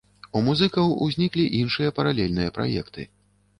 У музыкаў узніклі іншыя паралельныя праекты.